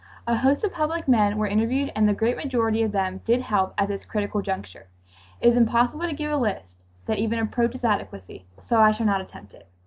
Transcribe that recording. A host of public men were interviewed and the great majority of them did help at this critical juncture. It is impossible to give a list that even approaches adequacy, so I shall not attempt it.